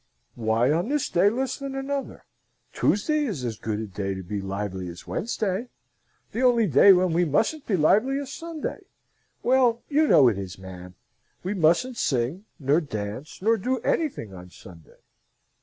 "Why on this day less than another? Tuesday is as good a day to be lively as Wednesday. The only day when we mustn't be lively is Sunday. Well, you know it is, ma'am! We mustn't sing, nor dance, nor do anything on Sunday."